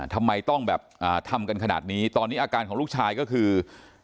ทำไมต้องแบบทำกันขนาดนี้ตอนนี้อาการของลูกชายก็คือ